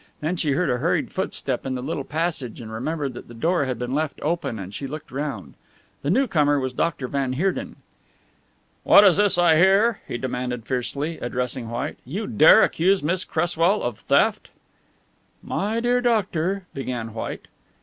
Then she heard a hurried footstep in the little passage and remembered that the door had been left open and she looked round. The new comer was Dr. van Heerden. "What is this I hear?" he demanded fiercely, addressing White. "You dare accuse Miss Cresswell of theft?" "My dear doctor," began White.